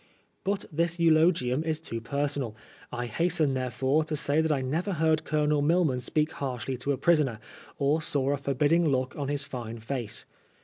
But this eulogium is too per sonal. I hasten, therefore, to say that I never heard Colonel Milman speak harshly to a prisoner, or saw a forbidding look on his fine face.